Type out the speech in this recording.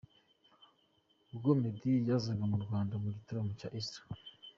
Ubwo Meddy yazaga mu Rwanda mu gitaramo cya East